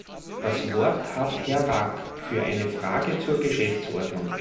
Das Wort hat Herr Rack für eine Frage zur Geschäftsordnung.